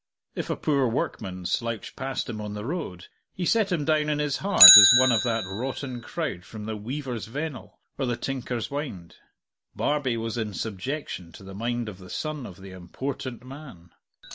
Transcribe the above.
If a poor workman slouched past him on the road, he set him down in his heart as one of that rotten crowd from the Weaver's Vennel or the Tinker's Wynd. Barbie was in subjection to the mind of the son of the important man.